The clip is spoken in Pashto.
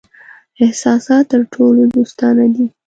احساسات تر ټولو دوستانه دي.